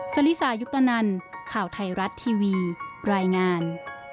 สลิสายุปตนันข่าวไทยรัฐทีวีรายงาน